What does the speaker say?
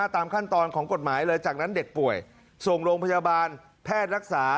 ตามขั้นตอนของกฎหมายเลยจากนั้นเด็กป่วยส่งโรงพยาบาลแพทย์รักษา